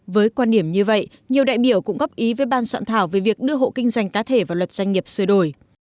với quan điểm như vậy nhiều đại biểu cũng góp ý với ban soạn thảo về việc đưa hộ kinh doanh cá thể vào luật doanh nghiệp sửa đổi